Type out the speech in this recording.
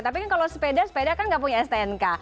tapi kalau sepeda sepeda kan tidak punya stnk